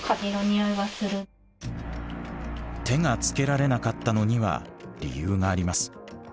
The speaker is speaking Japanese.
手がつけられなかったのには理由があります。